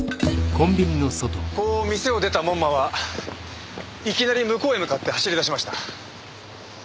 こう店を出た門馬はいきなり向こうへ向かって走り出しました。